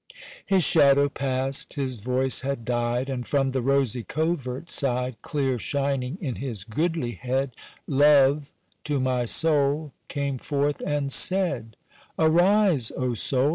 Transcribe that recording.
His shadow passed, his voice had died, And from the rosy covert side, Clear shining in his goodlihead, Love to my soul came forth and said:— "Arise, O Soul!